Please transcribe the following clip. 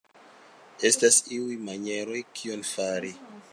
Estas iuj manieroj kion fari.